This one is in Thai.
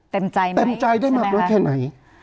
เต็มใจได้มากน้อยแค่ไหน